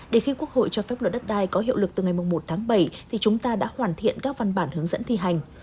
để khi quốc hội cho phép luật đất đai có hiệu lực từ ngày một tháng bảy thì chúng ta đã hoàn thiện các văn bản hướng dẫn thi hành